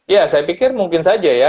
ya saya pikir mungkin saja ya